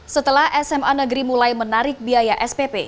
setelah sma negeri mulai menarik biaya spp